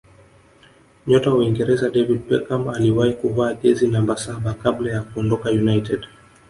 nyota wa uingereza david beckham aliwahi kuvaa jezi namba saba kabla ya kuondoka united